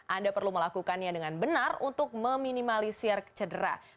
anda perlu melakukannya dengan benar untuk meminimalisir kecedera